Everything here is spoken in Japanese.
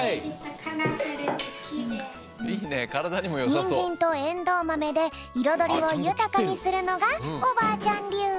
にんじんとえんどうまめでいろどりをゆたかにするのがおばあちゃんりゅう。